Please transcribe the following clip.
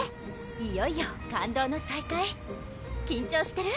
いよいよ感動の再会緊張してる？